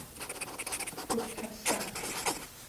พุทธัสสะ